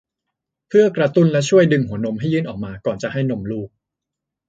เพื่อกระตุ้นและช่วยดึงหัวนมให้ยื่นออกมาก่อนจะให้นมลูก